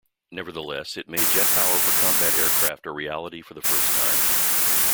Nevertheless, it made jet power for combat aircraft a reality for the first time.